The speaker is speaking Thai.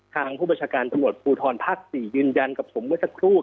ทางผู้บัญชการตรวจปูทรภักดิ์ภาคศ์สียืนยันกับผมเมื่อสักครู่